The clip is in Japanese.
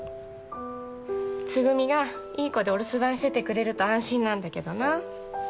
つぐみがいい子でお留守番しててくれると安心なんだけどな。